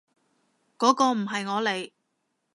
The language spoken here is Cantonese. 嗰個唔係我嚟